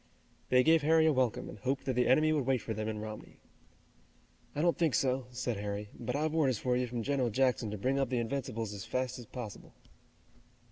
They gave Harry a welcome and hoped that the enemy would wait for them in Romney. "I don't think so," said Harry, "but I've orders for you from General Jackson to bring up the Invincibles as fast as possible."